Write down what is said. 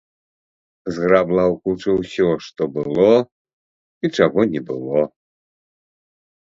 Зграбла ў кучу ўсё, што было і чаго не было.